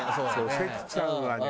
関ちゃんはね。